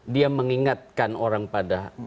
dia mengingatkan orang pada